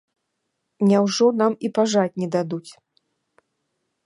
Няўжо нам і пажаць не дадуць?